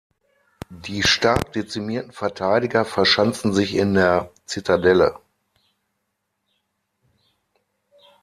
Die stark dezimierten Verteidiger verschanzten sich in der Zitadelle.